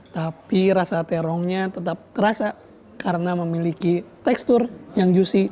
tapi rasa terongnya tetap terasa karena memiliki tekstur yang juicy